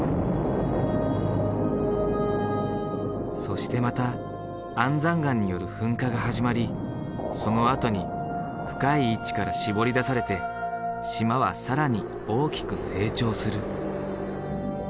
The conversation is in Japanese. そしてまた安山岩による噴火が始まりそのあとに深い位置からしぼり出されて島は更に大きく成長する。